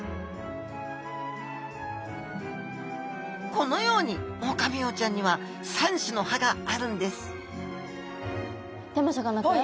このようにオオカミウオちゃんには３種の歯があるんですでもさかなクン